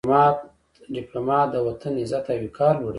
ډيپلومات د وطن عزت او وقار لوړوي.